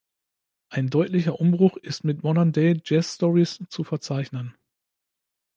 Ein deutlicher Umbruch ist mit "Modern Day Jazz Stories" zu verzeichnen.